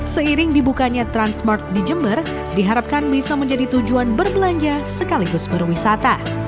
seiring dibukanya transmart di jember diharapkan bisa menjadi tujuan berbelanja sekaligus berwisata